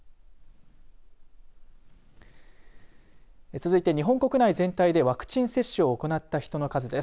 続いて、日本国内全体でワクチン接種を行った人の数です。